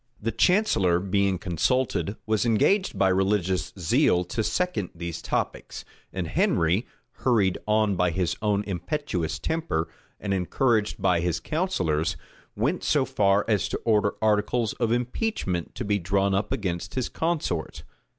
The chancellor, being consulted, was engaged by religious zeal to second these topics; and Henry, hurried on by his own impetuous temper, and encouraged by his counsellors, went so far as to order articles of impeachment to be drawn up against his consort.